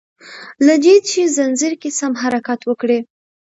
له دي چي ځنځير کی سم حرکت وکړي